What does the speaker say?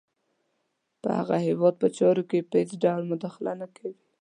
په هغه هیواد په چارو کې به هېڅ ډول مداخله نه کوي.